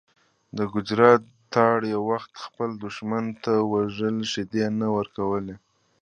د ګجرات تارړ یو وخت خپل دښمن ته د وزې شیدې نه ورکولې.